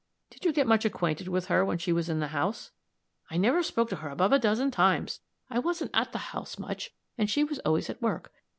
Did you get much acquainted with her, when she was in the house?" "I never spoke to her above a dozen times. I wasn't at the house much, and she was always at work.